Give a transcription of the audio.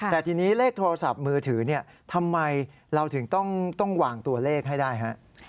แต่ทีนี้เลขโทรศัพท์มือถือทำไมเราถึงต้องวางตัวเลขให้ได้ฮะ